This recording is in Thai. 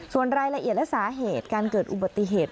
ส่วนรายละเอียดและสาเหตุการเกิดอุบัติเหตุ